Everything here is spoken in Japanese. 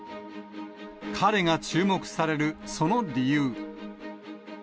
彼が注目されるその理由。